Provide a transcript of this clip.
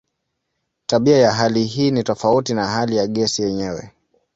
Tabia ya hali hii ni tofauti na hali ya gesi yenyewe.